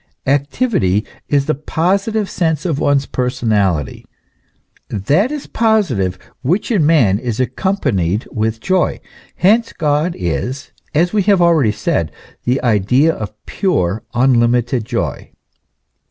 Activity is the positive sense of one's personality. That is positive which in man is accompanied with joy; hence God is, as we have already said, the idea of pure, unlimited joy.